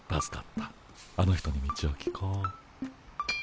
あの人に道を聞こう。